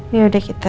ya udah kita